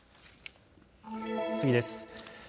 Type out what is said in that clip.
次です。